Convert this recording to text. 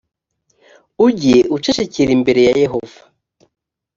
ujye ucecekera imbere ya yehova